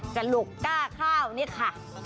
จะหลุกก้าข้าวนี่ค่ะ